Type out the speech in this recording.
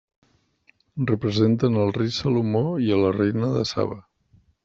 Representen al Rei Salomó i a la Reina de Saba.